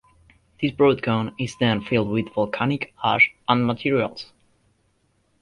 This broad cone is then filled with volcanic ash and materials.